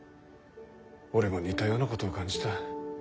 俺も似たようなことを感じた。